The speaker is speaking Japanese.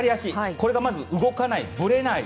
これが、まず動かないぶれない。